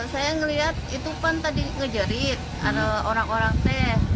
saya ngelihat itu kan tadi ngejarit ada orang orang teh